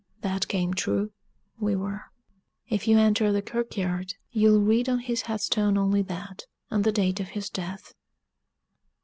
That came true we were. If you enter the kirkyard, you'll read on his headstone only that, and the date of his death.